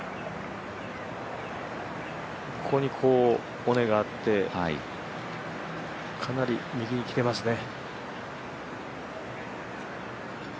ここに尾根があってかなり右に切れますね。